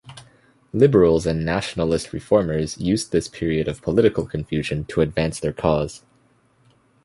Liberals and nationalist reformers used this period of political confusion to advance their cause.